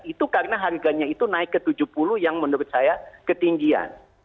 itu karena harganya itu naik ke tujuh puluh yang menurut saya ketinggian